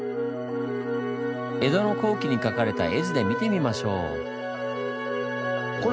江戸の後期に描かれた絵図で見てみましょう。